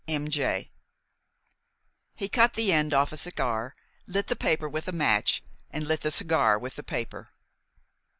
M. J." He cut the end off a cigar, lit the paper with a match, and lit the cigar with the paper.